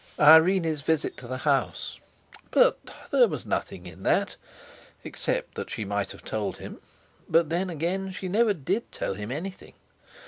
Irene's visit to the house—but there was nothing in that, except that she might have told him; but then, again, she never did tell him anything.